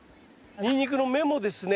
ニンニクの芽もですね